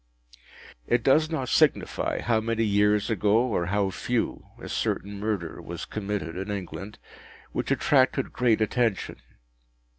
It does not signify how many years ago, or how few, a certain murder was committed in England, which attracted great attention.